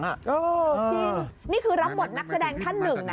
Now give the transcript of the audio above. จริงนี่คือรับบทนักแสดงท่านหนึ่งนะ